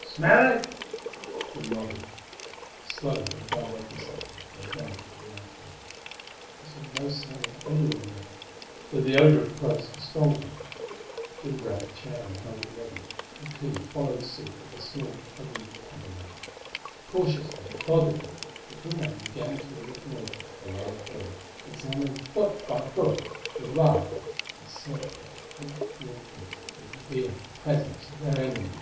Smell it?" Jim nodded. Slowly, on guard every second, they advanced to the alcove. They saw no sign of anyone there, though the odor of cloves was stronger. Jim grabbed a chair and held it ready, and Clee followed suit with a small, heavy tabouret. Cautiously, methodically, the two men began to reconnoitre the large room, examining foot by foot the rug in search of the faint clear prints that would reveal the presence of their enemy.